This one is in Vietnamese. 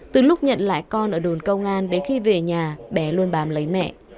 từ lúc nhận lại con ở đồn công an đến khi về nhà bé luôn bám lấy mẹ